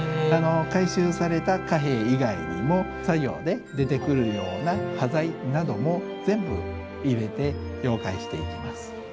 回収された貨幣以外にも作業で出てくるような端材なども全部入れて溶解していきます。